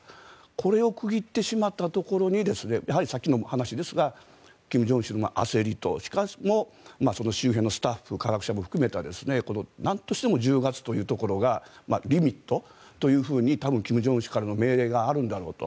これを区切ってしまったところにやはりさっきの話ですが金正恩氏の焦りとしかもその周辺のスタッフ科学者も含めてなんとしても１０月というところがリミットと多分、金正恩氏からの命令があるんだろうと。